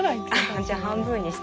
じゃあ半分にして。